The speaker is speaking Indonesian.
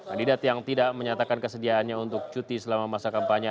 kandidat yang tidak menyatakan kesediaannya untuk cuti selama masa kampanye